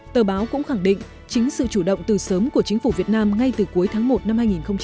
tờ báo cũng khẳng định chính sự chủ động từ sớm của chính phủ việt nam ngay từ cuối tháng một năm hai nghìn hai mươi